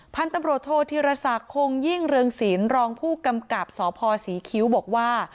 พันธุ์ตำรวจโทษธิรษักคงยิ่งเรืองศิลป์รองผู้กำกับสพศรีคิ้วบอกว่า